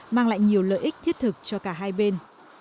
mang lại nhiều lợi ích thiết thực cho cả hai bên